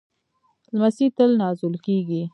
لمسی تل نازول کېږي.